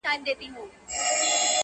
د كار نه دى نور ټوله شاعري ورځيني پاته-